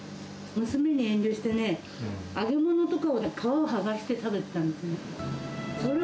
娘に遠慮してね、揚げ物とかの皮を剥がして食べてたの。